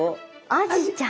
アジちゃん。